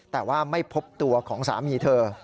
แต่ว่าไม่พบตัวของสามีเธอ